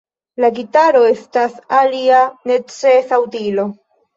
La gitaro estas alia necesa utilo.